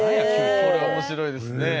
これは面白いですね。